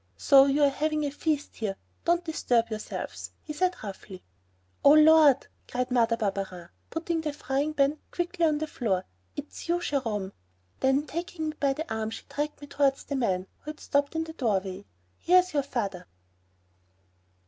"So, you're having a feast here, don't disturb yourselves," he said roughly. "Oh, Lord!" cried Mother Barberin, putting the frying pan quickly on the floor, "is it you, Jerome." Then, taking me by the arm she dragged me towards the man who had stopped in the doorway. "Here's your father."